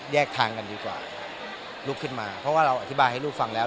แยกทางกันดีกว่าลุกขึ้นมาเพราะว่าเราอธิบายให้ลูกฟังแล้ว